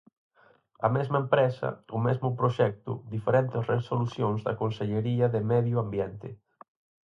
A mesma empresa, o mesmo proxecto, diferentes resolucións da Consellería de Medio Ambiente.